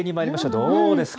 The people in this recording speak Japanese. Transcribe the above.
どうですか？